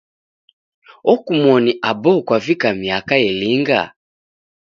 Okumoni Abo kwavika miaka ilinga?